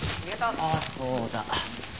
あっそうだ。